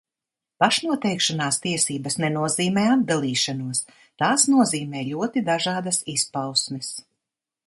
Pašnoteikšanās tiesības nenozīmē atdalīšanos, tās nozīmē ļoti dažādas izpausmes.